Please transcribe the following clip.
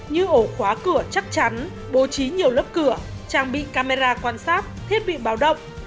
như ổ khóa cửa chắc chắn bố trí nhiều lớp cửa trang bị camera quan sát thiết bị báo động